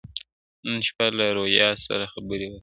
نن شپه له رويا سره خبرې وکړه,